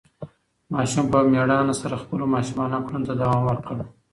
ماشوم په مېړانې سره خپلو ماشومانه کړنو ته دوام ورکړ.